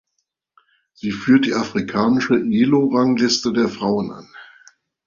Sie führt die afrikanische Elo-Rangliste der Frauen an.